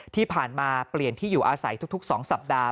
ที่ผ่านมาเปลี่ยนที่อยู่อาศัยทุก๒สัปดาห์